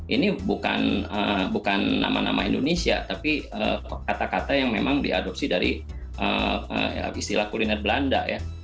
ini bukan nama nama indonesia tapi kata kata yang memang diadopsi dari istilah kuliner belanda ya